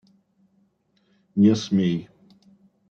Не смей!